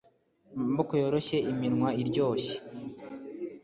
Amaboko yoroshye iminwa iryoshye